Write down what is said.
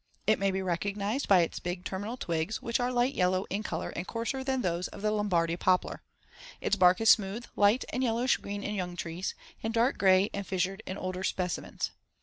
41. It may be recognized by its big terminal twigs, which are light yellow in color and coarser than those of the Lombardy poplar, Fig. 42. Its bark is smooth, light and yellowish green in young trees, and dark gray and fissured in older specimens.